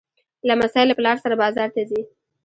لمسی له پلار سره بازار ته ځي.